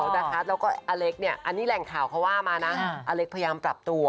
แล้วก็อเล็กเนี่ยอันนี้แหล่งข่าวเขาว่ามานะอเล็กพยายามปรับตัว